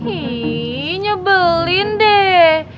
iii nyebelin deh